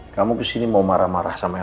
kamu kesini mau marah marah sama yang